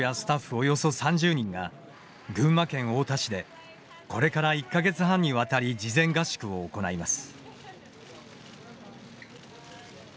およそ３０人が群馬県太田市でこれから１か月半にわたり事前合宿を行います。